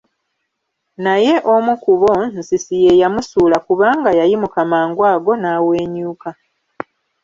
Naye omu ku bo nsisi ye yamusuula kubanga yayimuka mangu ago n'awenyuka.